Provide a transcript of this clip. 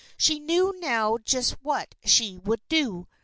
She knew now just what she would do.